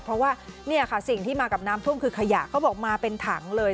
เพราะว่าเนี่ยค่ะสิ่งที่มากับน้ำท่วมคือขยะเขาบอกมาเป็นถังเลย